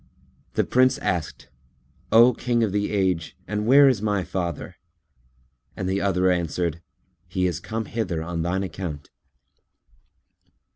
The Prince asked "O King of the Age, and where is my father?" and the other answered, "He is come hither on thine account."